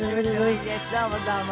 どうもどうも。